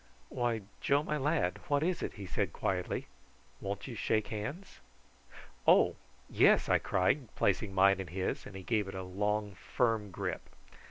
"Why, Joe, my lad, what is it?" he said quietly. "Won't you shake hands?" "Oh! yes," I cried, placing mine in his, and he gave it a long, firm grip.